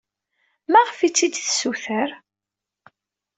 Maɣef ay tt-id-tessuter?